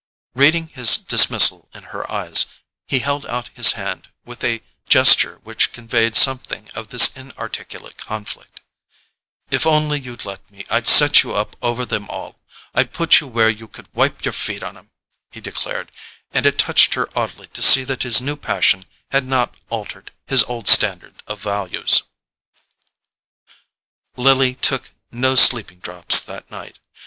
Reading his dismissal in her eyes, he held out his hand with a gesture which conveyed something of this inarticulate conflict. "If you'd only let me, I'd set you up over them all—I'd put you where you could wipe your feet on 'em!" he declared; and it touched her oddly to see that his new passion had not altered his old standard of values. Lily took no sleeping drops that night.